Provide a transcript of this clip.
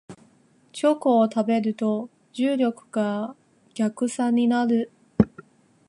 チョコを食べると重力が逆さになる